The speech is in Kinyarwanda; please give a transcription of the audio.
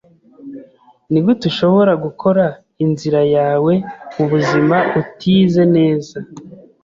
Nigute ushobora gukora inzira yawe mubuzima utize neza?